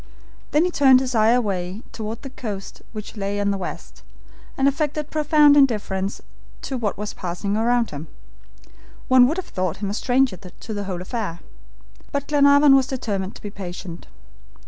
Then he turned his eyes away toward the coast which lay on the west, and affected profound indifference to what was passing around him. One would have thought him a stranger to the whole affair. But Glenarvan was determined to be patient.